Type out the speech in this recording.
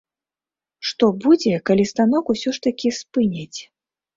Што будзе, калі станок усё ж такі спыняць?